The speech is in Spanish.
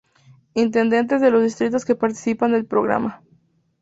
Intendentes de los distritos que participan del Programa.